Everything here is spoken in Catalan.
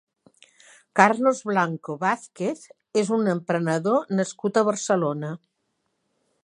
Carlos Blanco Vázquez és un emprenedor nascut a Barcelona.